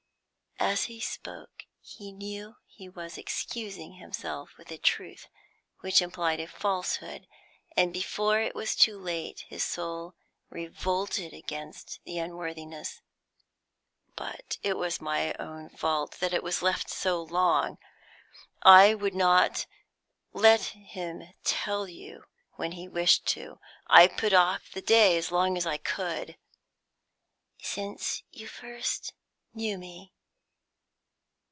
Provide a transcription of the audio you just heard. As he spoke he knew that he was excusing himself with a truth which implied a falsehood, and before it was too late his soul revolted against the unworthiness. "But it was my own fault that it was left so long. I would not let him tell you when he wished to; I put off the day as long as I could." "Since you first knew me?"